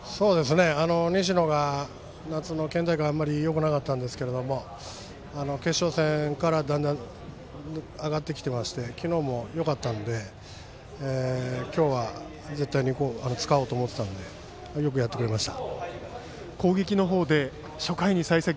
西野が夏の県大会、あまりよくなかったんですけど決勝戦からだんだん上がってきてまして昨日もよかったので今日は絶対に使おうと思ってたのでよくやってくれました。